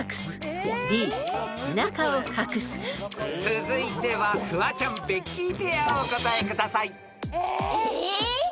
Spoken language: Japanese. ［続いてはフワちゃん・ベッキーペアお答えください］え！